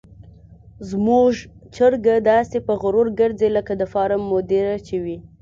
زموږ چرګه داسې په غرور ګرځي لکه د فارم مدیره چې وي.